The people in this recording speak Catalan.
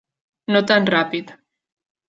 No tan ràpid.